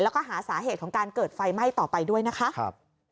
แล้วก็หาสาเหตุของการเกิดไฟไหม้ต่อไปด้วยนะคะ